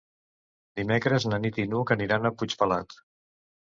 Dimecres na Nit i n'Hug aniran a Puigpelat.